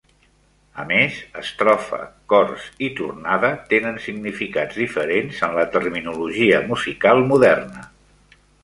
A més, "estrofa", "cors" i "tornada" tenen significats diferents en la terminologia musical moderna.